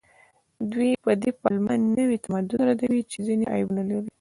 دوی په دې پلمه نوي تمدن ردوي چې ځینې عیبونه لري